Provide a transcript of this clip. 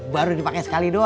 baru dipake sekali doang